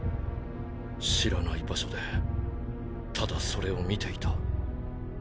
知らない場所でただそれを見ていた。